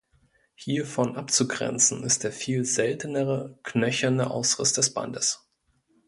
Hiervon abzugrenzen ist der viel seltenere knöcherne Ausriss des Bandes.